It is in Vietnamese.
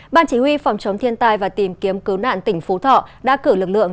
ban chỉ huy phòng chống thiên tai và tìm kiếm cứu nạn tỉnh phú thọ đã cử lực lượng